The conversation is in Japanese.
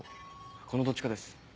このどっちかです。